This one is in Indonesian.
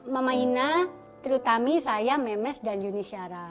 mama ina tri tami saya memes dan yuni syara